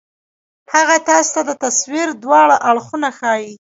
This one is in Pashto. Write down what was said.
هغه تاسو ته د تصوير دواړه اړخونه ښائي